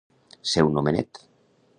Ser un homenet.